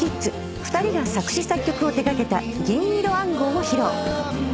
２人が作詞作曲を手掛けた『銀色暗号』を披露。